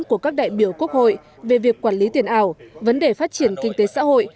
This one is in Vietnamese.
của các đại biểu quốc hội về việc quản lý tiền ảo vấn đề phát triển kinh tế xã hội